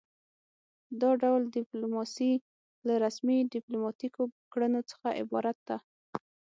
دا ډول ډیپلوماسي له رسمي ډیپلوماتیکو کړنو څخه عبارت ده